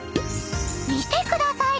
［見てください。